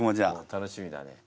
楽しみだね。